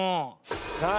さあ